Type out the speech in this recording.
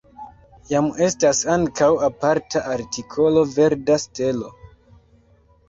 Jam estas ankaŭ aparta artikolo Verda stelo.